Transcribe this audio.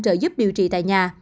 trợ giúp điều trị tại nhà